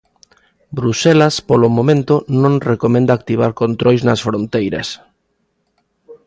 Bruxelas, polo momento, non recomenda activar controis nas fronteiras.